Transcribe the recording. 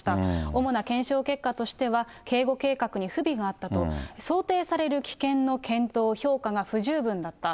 主な検証結果としては、警護計画に不備があったと、想定される危険の検討、評価が不十分だった。